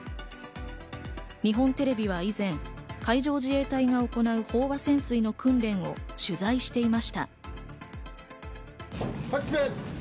日本テレビは以前、海上自衛隊が行う飽和潜水の訓練を取材していました。